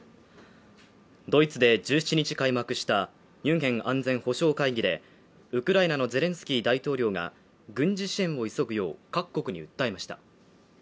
ドイツで１７日開幕したミュンヘン安全保障会議でウクライナのゼレンスキー大統領が軍事支援を急ぐよう各国に訴えました